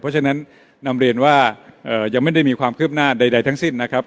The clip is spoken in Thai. เพราะฉะนั้นนำเรียนว่ายังไม่ได้มีความคืบหน้าใดทั้งสิ้นนะครับ